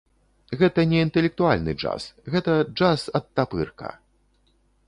Гэта не інтэлектуальны джаз, гэта джаз-адтапырка!